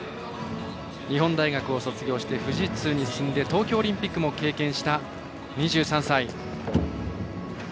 日本大学卒業、富士通に進んで東京オリンピックも経験した、２３歳。